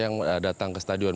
yang datang ke stadion